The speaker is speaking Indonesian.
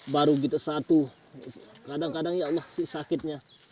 baru gitu satu kadang kadang ya allah sih sakitnya